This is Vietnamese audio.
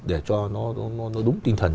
để cho nó đúng tinh thần